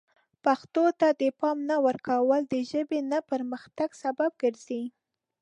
پښتو ته د پام نه ورکول د ژبې نه پرمختګ سبب ګرځي.